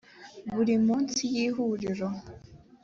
buri munsi y ihuriro